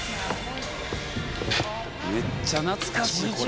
めっちゃ懐かしいこれ。